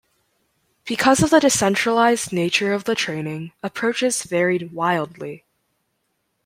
Because of the decentralized nature of the training, approaches varied wildly.